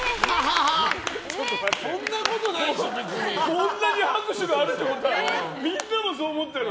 こんなに拍手があるってことはみんなもそう思ってる。